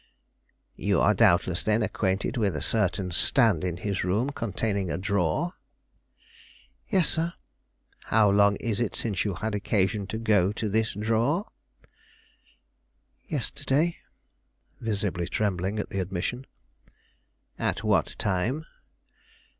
"You are doubtless, then, acquainted with a certain stand in his room containing a drawer?" "Yes, sir." "How long is it since you had occasion to go to this drawer?" "Yesterday," visibly trembling at the admission. "At what time?"